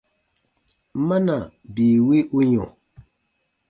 Mana bii wi u yɔ̃ ?